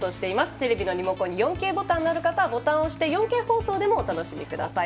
テレビのリモコンに４Ｋボタンがある方はボタンを押して４Ｋ放送でもお楽しみください。